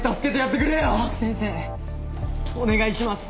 先生お願いします。